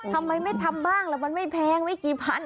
ทำไมไม่ทำบ้างล่ะมันไม่แพงไม่กี่พัน